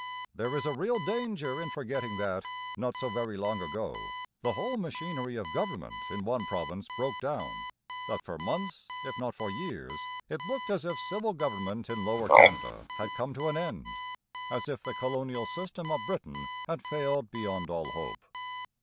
There is a real danger in forgetting that, not so very long ago, the whole machinery of government in one province broke down, that for months, if not for years, it looked as if civil government in Lower Canada had come to an end, as if the colonial system of Britain had failed beyond all hope.